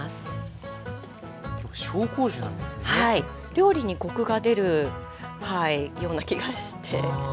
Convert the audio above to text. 料理にコクが出るような気がして。